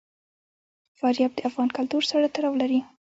فاریاب د افغان کلتور سره تړاو لري.